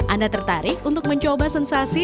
anda tertarik untuk mencoba sensasi